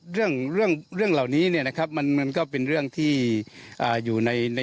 เรื่องเรื่องเหล่านี้เนี่ยนะครับมันก็เป็นเรื่องที่อยู่ใน